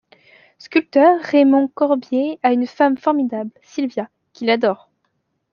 Sculpteur, Raymond Corbier a une femme formidable, Sylvia, qu'il adore.